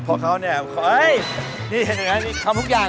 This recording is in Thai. เพราะเขาเนี่ยนี่เห็นไหมนี่ทำทุกอย่าง